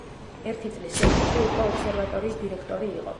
ერთი წლის შემდეგ კი უკვე ობსერვატორიის დირექტორი იყო.